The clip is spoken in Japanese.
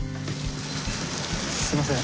すみません。